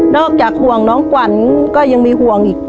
นอกจากห่วงน้องกว่านก็ยังมีห่วงอีก